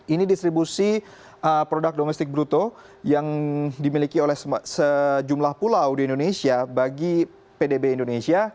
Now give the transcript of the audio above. ini distribusi produk domestik bruto yang dimiliki oleh sejumlah pulau di indonesia bagi pdb indonesia